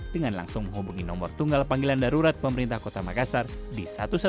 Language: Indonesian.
dengan langsung menghubungi nomor tunggal panggilan darurat pemerintah kota makassar di satu ratus dua belas